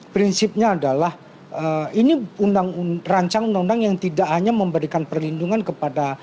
prinsipnya adalah ini rancang undang undang yang tidak hanya memberikan perlindungan kepada